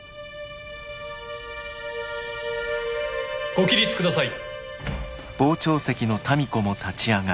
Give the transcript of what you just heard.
ご起立ください。